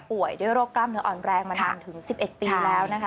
ด้วยโรคกล้ามเนื้ออ่อนแรงมานานถึง๑๑ปีแล้วนะคะ